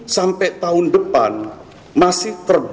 sampai tahun depan masih terlalu berpengaruh